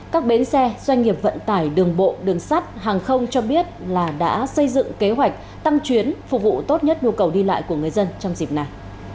các bến xe doanh nghiệp vận tải đường bộ đường sắt hàng không cho biết là đã xây dựng kế hoạch tăng chuyến phục vụ tốt nhất nhu cầu đi lại của người dân trong dịp này